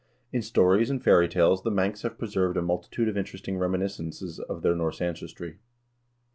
In stories and fairy tales the Manx have preserved a multitude of interesting reminiscences of their Norse ancestry.